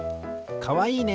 かわいいね！